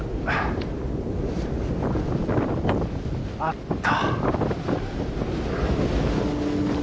あった！